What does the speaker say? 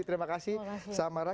terima kasih samara